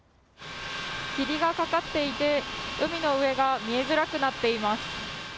霧がかかっていて海の上が見えづらくなっています。